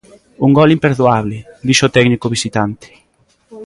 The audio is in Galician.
Un gol imperdoable, dixo o técnico visitante.